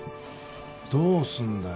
どうすんだい